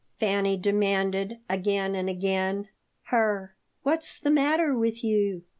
Fanny demanded again and again. Her "What's the matter with you?"